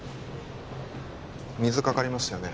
水かかりましたよね？